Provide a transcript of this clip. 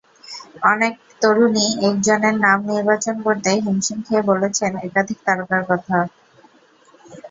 অনেক তরুণই একজনের নাম নির্বাচন করতে হিমশিম খেয়ে বলেছেন একাধিক তারকার কথা।